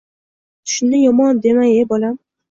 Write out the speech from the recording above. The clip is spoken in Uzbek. Tushni yomon dema-e bolam